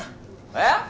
えっ？